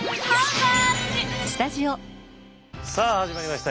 さあ始まりました。